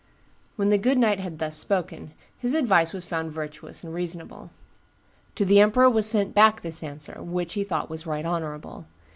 When the good knight had thus spoken, his advice was found virtuous and reasonable. To the emperor was sent back this answer, which he thought right honorable.